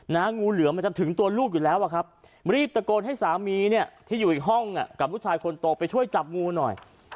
งูเหลือมันจะถึงตัวลูกอยู่แล้วอะครับรีบตะโกนให้สามีเนี่ยที่อยู่อีกห้องกับลูกชายคนโตไปช่วยจับงูหน่อย